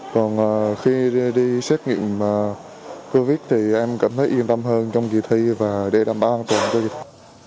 còn khi đi xét nghiệm covid thì em cảm thấy yên tâm hơn trong kỳ thi và đề đảm bảo an toàn cho kỳ thi